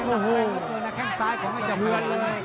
อู้โหแค่งซ้ายก็ไม่จับมาเลยนะ